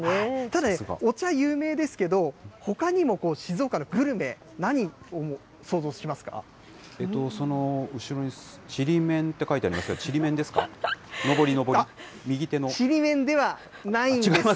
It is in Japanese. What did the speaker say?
ただね、お茶有名ですけど、ほかにも静岡のグルメ、何を想像その後ろに、ちりめんって書いてありますが、ちりめんですか、のぼり、のぼり、ちりめんではないんです。